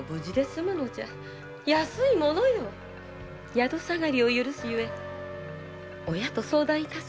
宿下がりを許すゆえ親と相談致せ。